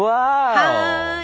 はい！